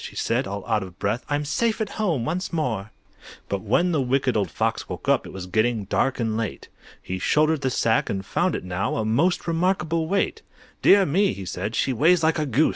she said, all out of breath, "I'm safe at home once more!" But when the Wicked Old Fox woke up, It was getting dark and late. He shouldered the sack, and found it now A most remarkable weight. "Dear me!" he said, "she weighs like a goose!